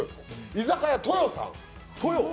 居酒屋とよさん。